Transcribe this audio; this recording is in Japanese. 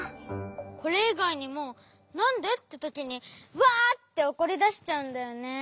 これいがいにも「なんで？」ってときにわっておこりだしちゃうんだよね。